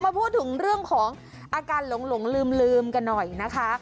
พูดถึงเรื่องของอาการหลงลืมกันหน่อยนะคะ